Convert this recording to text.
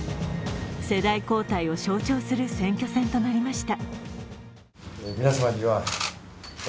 世代交代を象徴する選挙戦となりました。